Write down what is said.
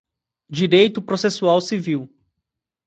Direito processual civil